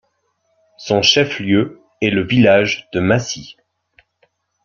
Son chef-lieu est le village de Massy.